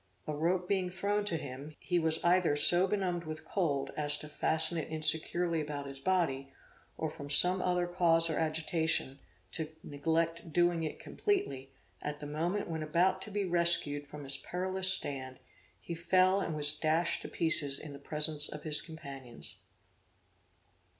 A rope being thrown to him, he was either so benumbed with cold as to fasten it insecurely about his body, or from some other cause or agitation, to neglect doing it completely; at the moment when about to be rescued from his perilous stand, he fell and was dashed to pieces in the presence of his companions.